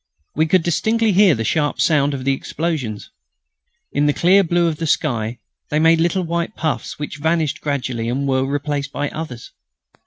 We could distinctly hear the sharp sound of the explosions. In the clear blue of the sky they made little white puffs which vanished gradually and were replaced by others.